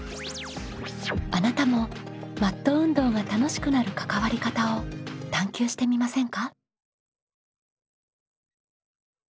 あなたもマット運動が楽しくなる関わり方を探究してみませんか？